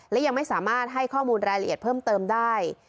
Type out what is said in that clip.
และยังไม่สามารถให้ข้อมูลรายละเอียดเพิ่มเติมได้